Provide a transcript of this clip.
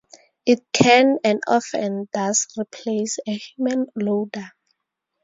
It can and often does replace a human loader.